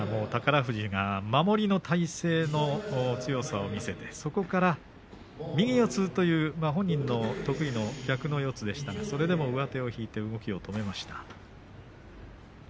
富士が守りの体勢の強さを見せて、そこから右四つという本人の得意の逆の四つでしたがそれでも上手を引いて動きを止めました。